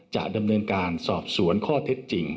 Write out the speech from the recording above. จะดำเนินการสอบสวนข้อเท็จจริง